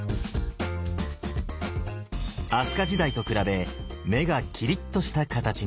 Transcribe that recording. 飛鳥時代と比べ目がキリッとした形に。